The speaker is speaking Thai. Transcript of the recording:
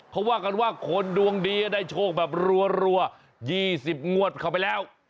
เขาว่ากันว่าคนดวงดีได้โชคแบบรัว๒๐งวดเข้าไปแล้ว